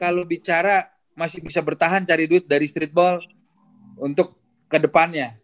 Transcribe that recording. kalau bicara masih bisa bertahan cari duit dari streetball untuk ke depannya